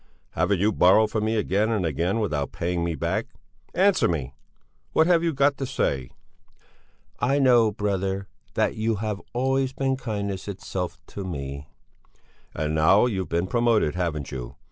"Haven't you borrowed from me again and again without paying me back? Answer me! What have you got to say?" "I know, brother, that you have always been kindness itself to me." "And now you've been promoted, haven't you?